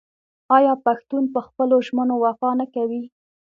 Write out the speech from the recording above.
آیا پښتون په خپلو ژمنو وفا نه کوي؟